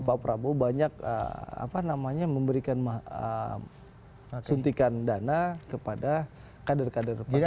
pak prabowo banyak memberikan suntikan dana kepada kader kader partai